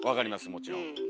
もちろん。